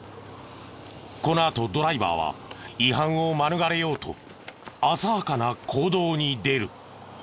このあとドライバーは違反を免れようと浅はかな行動に出る。